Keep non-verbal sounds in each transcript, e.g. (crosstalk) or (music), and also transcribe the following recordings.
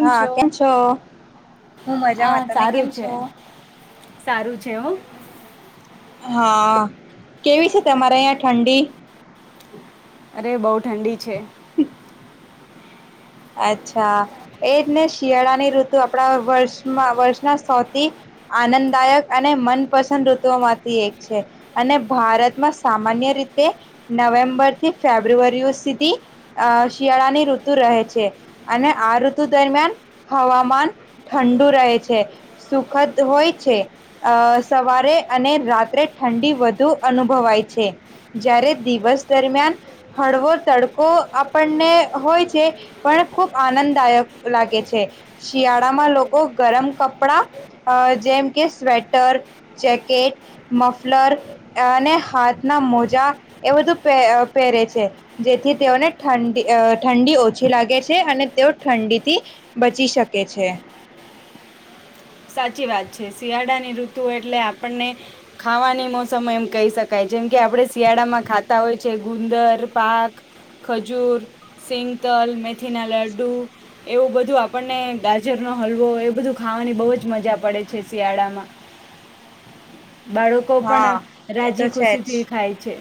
હા કેમ છો હું આ મજામાં તમે કેમ છો જેઓ હા કેવી છે તમારે અહિયાં ઠંડી. હ. અરે બહુ ઠંડી છે. અચ્છા એ જ ને શિયાળાની ઋતુ આપણા વર્ષમાં વર્ષના સૌથી આનંદદાયક અને મનપસંદ ઋતુઓમાંથી એક છે અને ભારતમાં સામાન્ય રીતે નવેમ્બર થી ફેબ્રુઆરીઓ સુધી અ શિયાળાની ઋતુ રહે છે. અને આ ઋતુ દરમિયાન હવામાન ઠંડુ રહે છે સુખદ હોય છે અ સવારે અને રાત્રે ઠંડી વધુ અનુભવાય છે જારે દિવસ દરમિયાન હળવો તડકો આપણને હોય છે. પણ ખૂબ આનંદદાયક લાગે છે શિયાળામાં લોકો ગરમ કપડા જેમ કે સ્વેટર જેકેટ મફલર અને હાથના મોજા એ બધું પહેરે છે જેથી તેઓને ઠંડી ઠંડી ઓછી. છી લાગે છે અને તેઓ ઠંડીથી બચી શકે છે. સાચી વાત છે શિયાળાની ઋતુ એટલે આપણને ખાવાની મોસમ એમ કહી શકાય જેમ કે આપણે શિયાળામાં ખાતા હોય છે ગુંદર પાક ખજૂર સિંગતલ મેથીના લડ્ડુ એવું બધું આપણને ગાજરનો હલવો એ બધું ખાવાની બહુ જ. મજા પડે છે શિયાળામાં. બાળકો પણ હા એ રાજી તો છે ખુશીથી જ ખાય છે.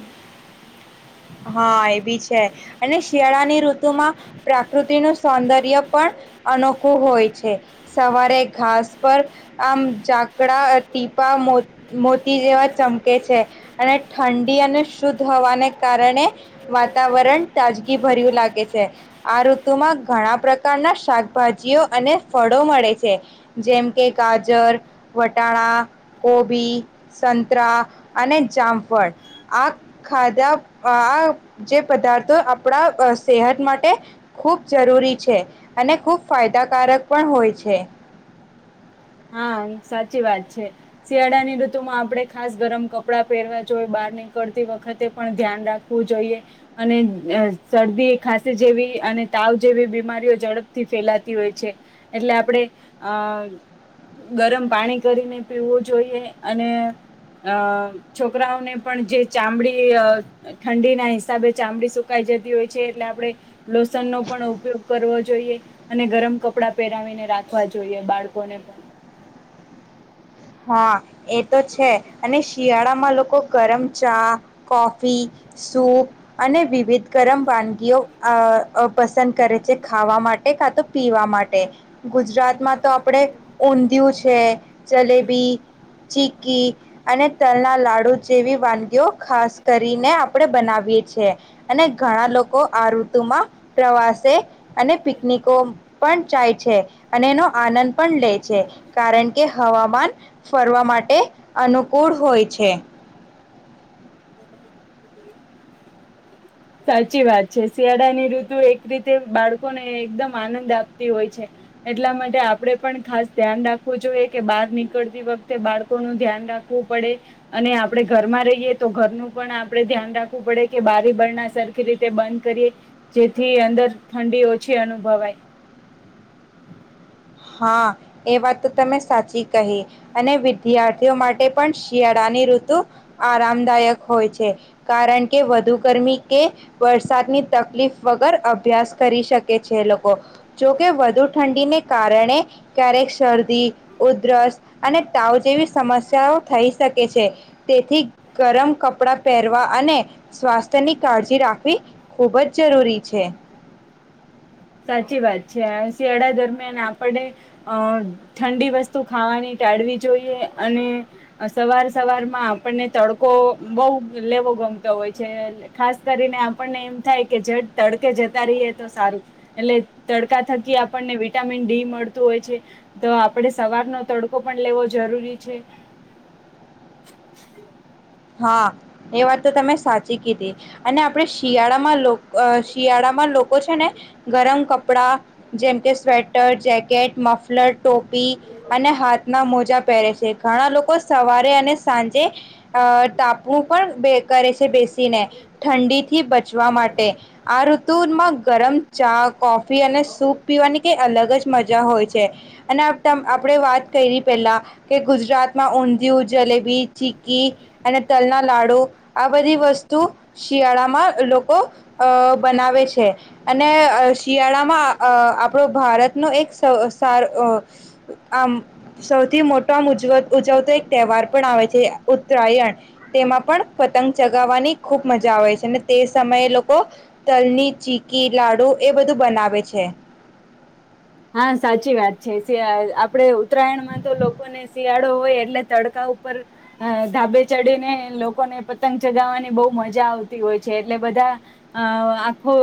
હા એ બી છે અને શિયાળાની ઋતુમાં પ્રકૃતિનું સૌંદર્ય પણ અનોખું હોય છે સવારે ઘાસ પર આમ ઝાકડા ટીપા મોતી જેવા ચમકે છે અને ઠંડી અને શુદ્ધ હવાને. વાતાવરણ તાજગી ભર્યું લાગે છે આ ઋતુમાં ઘણા પ્રકારના શાકભાજીઓ અને ફળો મળે છે જેમ કે ગાજર વટાણા કોબી સંતરા અને જામફળ આ ખાધા. આ જે પદાર્થો આપણા સેહત માટે ખૂબ જરૂરી છે અને ખૂબ ફાયદાકારક પણ હોય છે. હા સાચી વાત છે શિયાળાની ઋતુમાં આપણે ખાસ ગરમ કપડાં પહેરવા જો બહાર નીકળતી વખતે પણ ધ્યાન રાખવું જોઈએ અને શરદી ખાાસ જેવી અને તાવ જેવી બીમારીઓ ઝડપથી ફેલાતી હોય છે એટલે આપણે અ. ગરમ પાણી કરીને પીવું જોઈએ અને અ છોકરાઓને પણ જે ચામડી ઠંડીના હિસાબે ચામડી સુકાઈ જતી હોય છે એટલે આપણે લોસનનોો પણ ઉપયોગ કરવો જોઈએ અને ગરમ કપડા પહેરાવીને રાખવા જોઈએ બાળકોને પણ. હા. એ તો છે અને શિયાળા. આમાં લોકો ગરમ ચા કોફી સૂપ અને વિવિધ. ગરમ બાનગઓ. અ પસંદ કરે છે ખાવા માટે કા તો પીવા માટે. ગુજરાત માં તો આપણેે ઊંધિયું છે. છે જલે. ચીકી અને તલના લાડુ જેવી વાનગીઓ ખાસ કરીને આપણે બનાવીએ છી અને ઘણા લોકો આ ઋતુમાં પ્રવાસે. અને પિકનિકો. પણ ચાય છે અને એનો આનંદ પણ લે. છે કારણ કે હવામાન. ફરવા માટે અનુકૂળ હોય છે. (inaudible) સાચી વાત છે શિયાળાની ઋતુ એક રીતે બાળકોને એકદમ આનંદ આપતી હોય છે એટલા માટે આપણેે પણ ખાસ ધ્યાન રાખવું જોઈએ કે બહાર નીકળતી વખતે બાળકોનું ધ્યાન રાખવું પડે અને આપણે ઘરમાં રહીએ તો ઘરનું પણ આપડણે ધ્યાન રાખવું પડે કે બારી બરના. સરખી રીતે બંધ કરીએ જેથી અંદર ઠંડી ઓછી અનુભવાય. હા એ વાત તો તમે સાચી કહી અને વિદ્યાર્થીઓ માટે પણ શિયાળાની ઋતુ આરામદાયક હોય છે કારણ કે વધુ ગરમી કે વરસાદની તકલીફ વગર અભ્યાસ કરી શકે છે લોકો જોકે વધુ ઠંડીને. કારણે ક્યારેક શરદી ઉધરસ અને તાવ જેવી સમસ્યાઓ થઈ શકે છે તેથી ગરમ કપડા પહેરવા અને સ્વાસ્થ્યની કાળજી રાખવી ખૂબ જ જરૂરી છે. સાચી વાત છે શિયાળા દરમિયાન આપણે અ ઠંડી વસ્તુ ખાવાની ટાળવી જોઈએ અને સવાર સવારમાં આપણને તડકો બહુ લેવો ગમતો હોય છે ખાસ કરીને આપણને એમ થાય કે જડ તડકે જતા રહીએ તો સારું. એટલે તડકા થકી આપણને વિટામિન ડી મળતું હોય છે તો આપડે સવારનો તડકો પણ લેવો જરૂરી છે. હા એ વાત તો તમે સાચી કીધી અને આપડે શિયાળામાં શિયાળામાં લોકો છે ને ગરમ કપ. કપડા જેમ કે સ્વેટ. ટર જ જેકેટ મફલટ. ટોપી અને હાથના મોજ. પહેરે છે ઘણા લોકો સવારે અને સાંજે. અ તાપણું પણ કરે છે બેસી. ને ઠંડી થી બચવા માટે આ ઋતુમાં ગરમ ચા કોફી અને સૂપ પીવાની કઈ અલગ જ મજા હોય છે અને આપણે વાત કરી પેલા. કે ગુજરાત માં ઊંધિયું જલેબી ચી્કી તલના લાડુ આ બધી વસ્તુ શિયાળામાં લોકો બનાવે છે. અને શિયાળામાં આપણો ભારતનો એક સ સાર આમ સૌથી મોટો આમ ઉજવ ઉજવતો એક તહેવાર પણ આવે છે. ઉત્તરાયણ તેમાં પણ પતંગ ચગાવવાની ખૂબ મજા આવે છે, અને તે સમયે લોકો તલની ચીકી, લાડુ એ બધું બનાવે છે. હા સાચી વાત છે. આપડે ઉત્તરાયણમાં તો લોકોને શિયાળો હોય એટલે તડકા ઉપર ધાબે ચડીને લોકોને પતંગ ચગાવવાની બહુ મજા આવતી હોય છે, એટલે બધાં અ આખો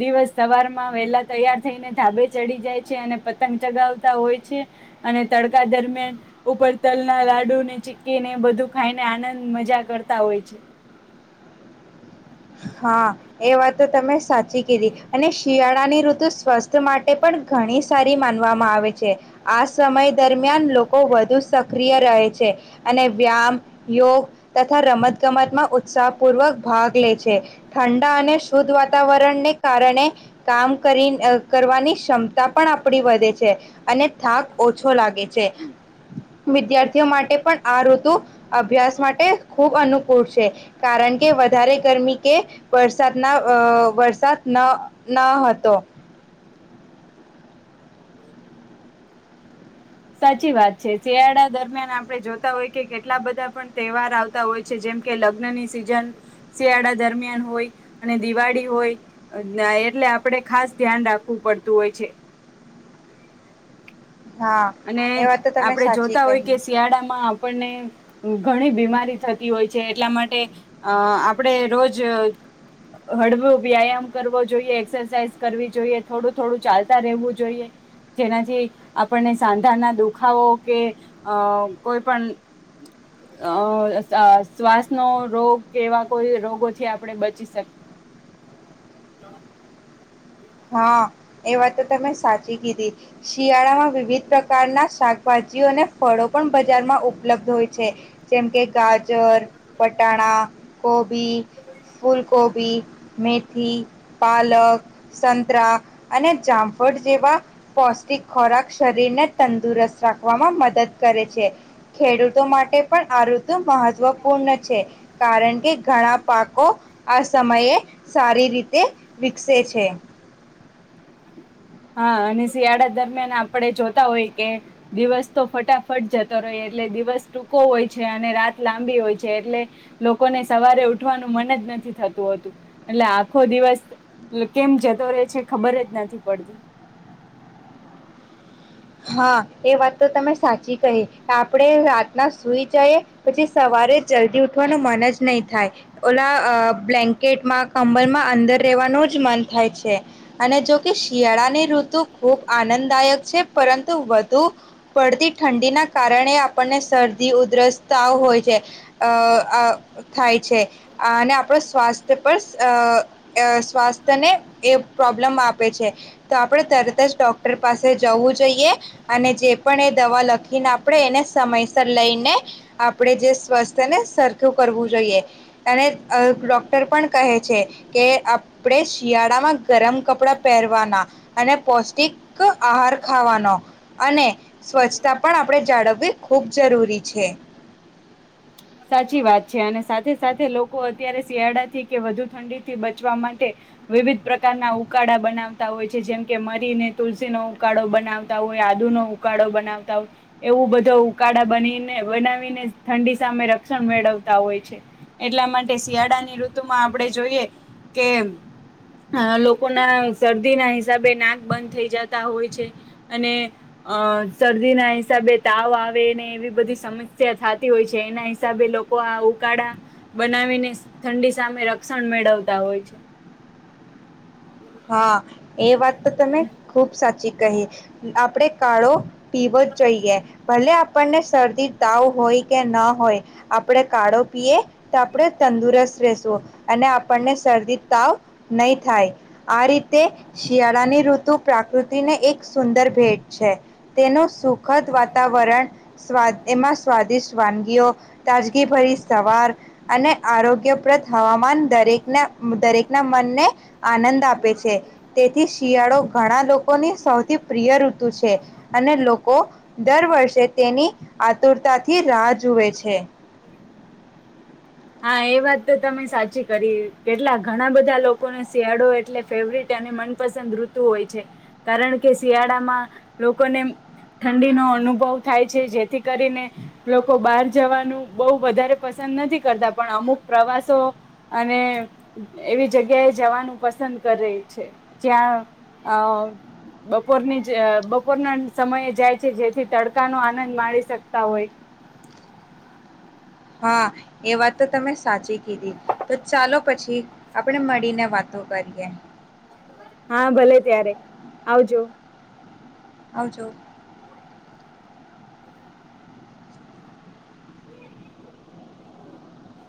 દિવસ સવારમાં વહેલા તૈયાર થઈને ધાબે ચડી જાય છે‌. અને પતંગ ચગાવતા હોય છે. અને તડકા દરમિયાન ઉપર તલ ના લાડુ ને, ચિકકીને બધું, ખાઈને આનંદ મજા કરતા હોય છે. હા એ વાત તો તમે સાચી કીધી અને શિયાળા ની ઋતુ સ્વસ્થ માટે એ પણ ઘણી સારી માનવામાં આવે છે. આ સમય દરમિયાન દરમિયાન લોકો વધુ સક પ્રિય રહે છે. અને વ્યામ, યોગ તથા રમતગમતમાં ઉત્સાહપૂર્વક ભાગ લે છે. ઠંડા અને શુદ્ધ વાતાવરણને કારણે કામ કરી કરવાની ક્ષમતા પણ આપણી વધે છે. અને થાક ઓછો લાગે છે. વિદ્યાર્થીઓ માટે પણ આ ઋતુ અભ્યાસ માટે ખૂબ અનુકૂળ છે, કારણ કે વધારે ગરમી કે વરસાદના વરસાદ ન ન હતો. સાચી વાત છે. શિયાળા દરમિયાન આપણે જોતા હોય કે કેટલા બધાં પણ તહેવાર આવતા હોય છે, જેમ કે લગ્નની સિઝન શિયાળા દરમિયાન હોય, અને દિવાળી હોય, એટલે આપણેે ખાસ ધ્યાન રાખવું પડતું હોય છે. હા અને એ વાત તો તમે આપણેે સાચી જોતા હોય કહી કે શિયાળામાં આપણને ઘણી બીમારી થતી હોય છે. એટલા માટે અ આપણે રોજ હળવું વ્યાયામ કરવો જોઈએ, એક્સરસાઇઝ કરવી જોઈએ, થોડું થોડું ચાલતા રહેવું, જોઈએ જેનાથી આપણને સાંધાના દુખાવો કે અ કોઈ પણ શ્વાસનો રોગ કે એવા કોઈ રોગોથી આપણે બચી શકીએ. હાં એ વાત તો તમે સાચી કીધી શિયાળામાં વિવિધ પ્રકારના શાક ભાજીઓને ફળો પણ બજારમાં ઉપલબ્ધ હોય છે. જેમ કે રાજ ગાજર, વટાણા કોબી, ફૂલકોબી, મેથીથી, પાલક સંતરા અને જામફળ જેવા પૌષ્ટિક ખોરાક શરીરને તંદુરસ્ત રાખવામાં મદદ કરે છે. ખેડૂતો માટે પણ આ ઋતુ મહત્વપૂર્ણ છે. કારણ કે ઘણાં પાકો આ સમયે સારી રીતે વિકસે છે. (inaudible) હાં અને શિયાળા દરમિયાન આપણે જોતા હોય કે, દિવસ તો ફટાફટ જતો રહે એટલે દિવસ ટૂંકો હોય છે. અને રાત લાંબી હોય છે. એટલે લોકોને સવારે ઉઠવાનું મન જ નથી થતું હોતું. એટલે આખો દિવસ કેમ જતો રહે છે ખબર જ નથી પડતી. હાં એ વાત તો તમે સાચી કહી આપણેે ના સુઈ જઈએ પછી સવારે જલ્દી ઉઠવાનું મન જ નહીં થાય, ઓલા બ્લેન્કેટમાં કંબલમાં અંદર રહેવાનું જ મન થાય છે. અને જોકે શિયાળાની ઋતુ ખૂબ આનંદદાયક છે. પરંતુ વધુ પડતી ઠંડીના કારણે આપણને શરદી, ઉધરસ ત હોય છે અ થાય છે અને આપણો સ્વાસ્થ્ય પર અ સ્વાસ્થ્ય ને એ પ્રોબ પ્રબ્લમ આપે છે તો આપણે તરત જ ડોક્ટર પાસે જવું જ અને જે પણ એ દવા લખી ખને આપણે એને સમયસર લઈને આપણે જે સ્વસ્થને સરખું કરવું જોઈએ અને ડોક્ટર પણ કહે છે કે આપણે શિયાળામાં ગરમ કપડા પહેરવાના અને પૌષ્ટિક આહાર સ્વચ્છતા પણ આપણે જાળવવી ખૂબ જરૂરી છે સાચી વાત છે અને સાથે સાથે લોકો અત્યારે શિયાળાથી કે વધુ ઠંડી થી બચવા માટે વિવિધ પ્રકારના ઉળ બનાવતા હોય છે જેમ કે મરીને તુલસી નો ઉકાળો બનાવતા હોય આદુ નો ઉકાળો બનાવતા હોય એવું બધો ઉકાળા બનીને બનાવીને ઠંડી સામે રક્ષણ મેળવતા હોય છે એટલા માટે શિયાળાની ઋતુમાં આપણે જોઈએ કે લોકો લોકો ના શરદીના હિસાબે નાક બંધ થઈ જતા હોય છે અને અ શરદીના હિસાબે તાવ આવે એવી બધી સમસ્યા થતી હોય છે એના હિસાબે લોકો આ ઉકાળા બનાવીને ઠંડી સામે રક્ષણ મેળવતા હોય છે હા એ વાત તો તમે ખુબ સાચી કહી આપણે કાળો પીવો જ જોઈએ ભલે આપણને શરદી તાવ હોય કે ના હોય આપણે કાળો પીએ તો આપણે તંદુરસ્ત રશું અને આપણને શરદી તાવ નહી થાય આ રીતે શિયાળાની ઋતુ પ્રાકૃતિને એક સુંદર ભેટ છે તેનું સુખદ વાતાવરણ સ્વાદ એમાં સ્વાદિષ્ટ વાનગીઓ તાજગીભરી સવાર અને આરોગ્યપ્રદ હવામાન દરેક દરેક ના મનને આનંદ છે તેથીસ શિયાળો ઘણા લોકોની સૌથી પ્રિય રુિ છે અને લોકો દર વર્ષે તેની આતુરતાથી રાહ જોુવે છે હા એ વાત તો તમે સાચી કરી કેટલા ઘણા બધા લોકોને શિયાળો એટલે ફેવરટ અને મનપસંદ ઋતુ હોય છે કારણ કે શિયાળામાં લોકોને ઠંડીનોો અનુભવ થાય છે જેથી કરીને લોકો બહાર જવાનું બહુ વધારે પસંદ નથી કરતા પણ અમુક પ્રવાસો અને એવી જગ્યાએ જવાનું પસંદ કરે છે જ્યાં અ બપોરની જ બપોરના સમયે જાય છે જેથી તડકા નો આનંદ માણી શકતા હોય હા એ વાત તો તમે સાચી કીધી તો ચાલો પછી આપણે મળીને વાતો કરીએ હા ભલે ત્યારે આવજો આવજો (inaudible)